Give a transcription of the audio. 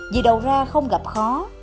vì đầu ra không gặp khó